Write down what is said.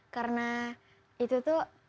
karena itu tuh